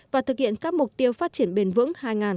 và thực hiện các mục tiêu phát triển bền vững hai nghìn ba mươi